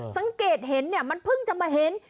สังเกตเห็นเนี่ยมันเพิ่งจะมาเห็น